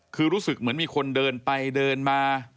คือรู้สึกเหมือนมีคนเดินไปเดินมา